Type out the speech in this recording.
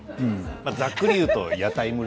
ざっくり言うと屋台村。